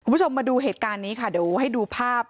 คุณผู้ชมมาดูเหตุการณ์นี้ค่ะเดี๋ยวให้ดูภาพ